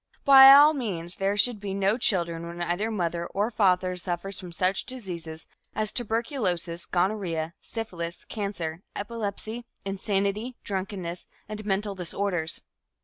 By all means there should be no children when either mother or father suffers from such diseases as tuberculosis, gonorrhea, syphilis, cancer, epilepsy, insanity, drunkenness and mental disorders.